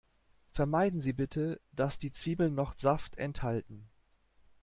Vermeiden Sie bitte, dass die Zwiebeln noch Saft enthalten.